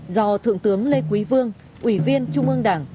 do thượng tướng lê quý vương ủy viên trung ương đảng